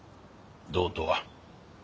どうとは？